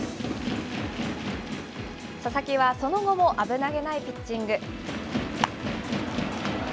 佐々木はその後も危なげないピッチング。